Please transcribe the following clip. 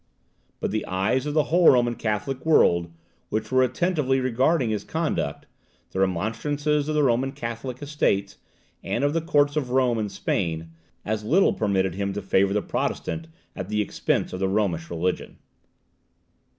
But the eyes of the whole Roman Catholic world, which were attentively regarding his conduct, the remonstrances of the Roman Catholic Estates, and of the Courts of Rome and Spain, as little permitted him to favour the Protestant at the expense of the Romish religion.